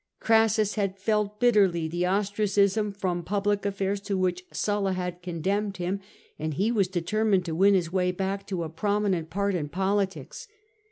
Crassus had felt bitterly the ostracism from public affairs to which Sulla had condemned him, and he was determined to win his way back to a prominent part in politics.